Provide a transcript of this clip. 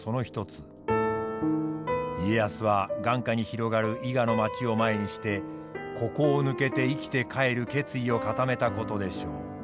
家康は眼下に広がる伊賀の町を前にしてここを抜けて生きて帰る決意を固めたことでしょう。